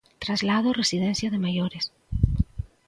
Traslado residencia de maiores.